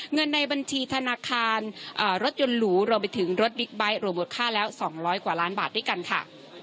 เงินในบัญชีธนาคารรถยนต์หรูรวมไปถึงรถบิ๊กไบท์รวมมูลค่าแล้ว๒๐๐กว่าล้านบาทด้วยกันค่ะ